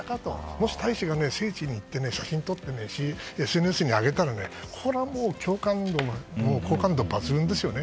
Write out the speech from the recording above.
もし大使が聖地に行って写真を撮ってＳＮＳに上げたらそれは好感度抜群ですよね。